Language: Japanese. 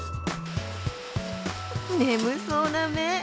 眠そうな目。